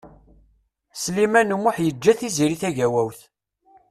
Sliman U Muḥ yeǧǧa Tiziri Tagawawt.